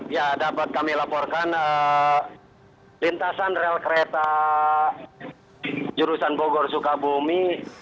ya dapat kami laporkan lintasan rel kereta jurusan bogor sukabumi